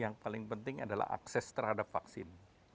yang paling penting adalah akses terhadap vaksin